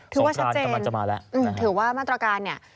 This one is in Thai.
ถือว่าชัดเจนส่งการกำลังจะมาแล้วอืมถือว่ามาตรการเนี่ย